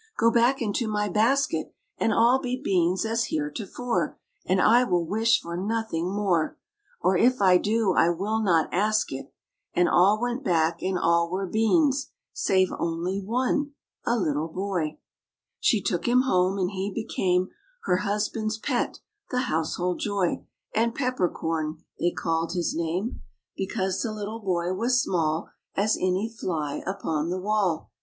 Go back into my basket And all be beans as heretofore. And I will wish for nothing more ; Or if I do, I will not ask it !" And all went back, and all were beans, Save only one, a little boy. She took him home ; and he became Her husband's pet, the household joy ; And Pepper Corn they called his name, LITTLE PEPPER CORN. 99 Because the little boy was small As any fly upon the wall.